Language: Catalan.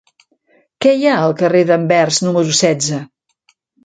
Què hi ha al carrer d'Anvers número setze?